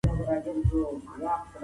زه د تور چای په څښلو بوخت یم.